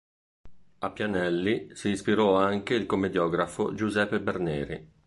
A Pianelli si ispirò anche il commediografo Giuseppe Berneri.